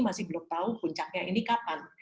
masih belum tahu puncaknya ini kapan